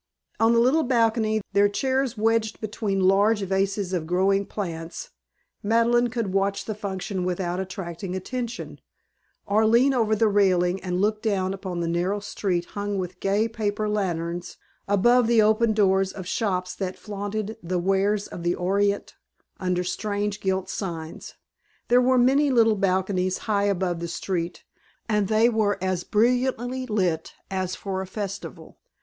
On the little balcony, their chairs wedged between large vases of growing plants, Madeleine could watch the function without attracting attention; or lean over the railing and look down upon the narrow street hung with gay paper lanterns above the open doors of shops that flaunted the wares of the Orient under strange gilt signs. There were many little balconies high above the street and they were as brilliantly lit as for a festival.